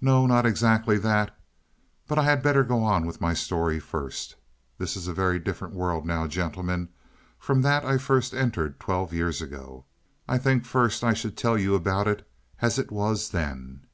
"No, not exactly that. But I had better go on with my story first. This is a very different world now, gentlemen, from that I first entered twelve years ago. I think first I should tell you about it as it was then."